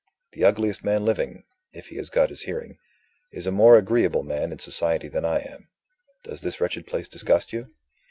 The ugliest man living if he has got his hearing is a more agreeable man in society than I am. Does this wretched place disgust you?"